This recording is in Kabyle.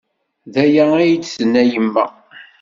D aya ay d-tenna yemma.